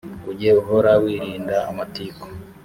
ujye uhora wirinda amatiku